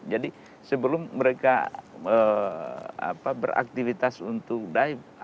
jadi sebelum mereka beraktivitas untuk diving